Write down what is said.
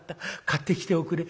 買ってきておくれ」。